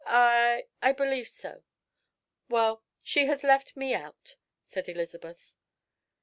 "I I believe so." "Well, she has left me out," said Elizabeth.